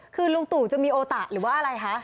คือลุงตู่จะมีโอตะหรือว่าอะไรคะ